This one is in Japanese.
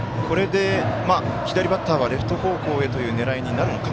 これでレフト方向へという狙いになるのか。